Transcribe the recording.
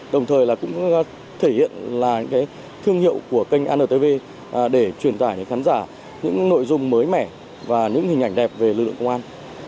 đồng thời là cũng thể hiện là những thương hiệu của kênh antv để truyền tải đến khán giả những nội dung mới mẻ và những hình ảnh đẹp về lực lượng công an